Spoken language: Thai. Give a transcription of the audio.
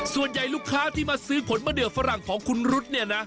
ลูกค้าที่มาซื้อผลมะเดือฝรั่งของคุณรุ๊ดเนี่ยนะ